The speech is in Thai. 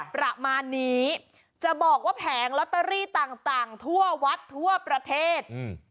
ประมาณนี้จะบอกว่าแผงลอตเตอรี่ต่างทั่ววัดทั่วประเทศ